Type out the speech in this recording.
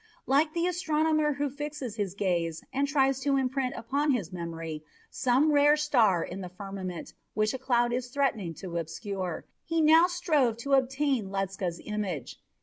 Like the astronomer who fixes his gaze and tries to imprint upon his memory some rare star in the firmament which a cloud is threatening to obscure, he now strove to obtain Ledscha's image.